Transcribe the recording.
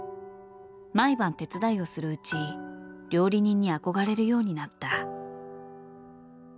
毎晩手伝いをするうち料理人に憧れるようになった。